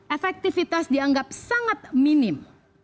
efektivitas dianggap sangat minim